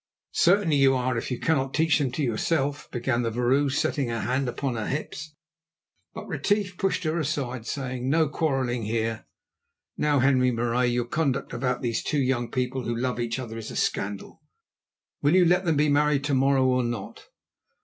"Certainly you are, if you cannot teach them to yourself," began the vrouw, setting her hands upon her hips. But Retief pushed her aside, saying: "No quarrelling here. Now, Henri Marais, your conduct about these two young people who love each other is a scandal. Will you let them be married to morrow or not?"